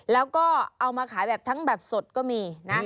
แล้วก็เอามาขายแบบทั้งแบบสดก็มีนะ